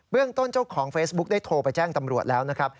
เรื่องต้นเจ้าของเฟซบุ๊กได้โทรไปแจ้งตำรวจแล้วนะครับ